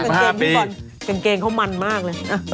กางเกงเค้ามันมากเลย